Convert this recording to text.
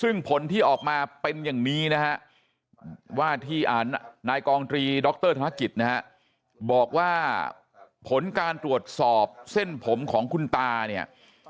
นายกองตรีดรธนกิจนะครับบอกว่าผลการตรวจสอบเส้นผมของคุณตาเนี่ย